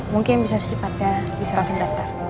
mungkin bisa secepatnya bisa langsung daftar